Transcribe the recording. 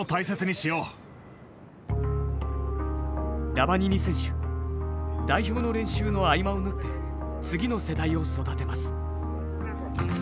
ラバニニ選手代表の練習の合間を縫って次の世代を育てます。